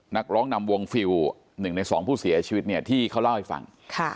นักร้องนำวงฟิล๑ใน๒ผู้เสียชีวิตเนี่ยที่เขาเล่าให้ฟัง